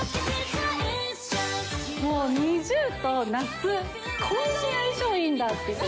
もうＮｉｚｉＵと夏、こんなに相性いいんだって。